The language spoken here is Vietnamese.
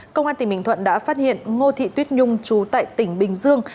công an tỉnh bình thuận đã phát hiện ngô thị tuyết nhung trú tại tỉnh bình dương